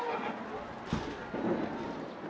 เวรบัติสุภิกษ์